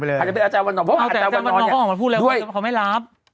เพราะอาจารย์วันนอกเขาออกมาพูดแล้วเขาไม่รับ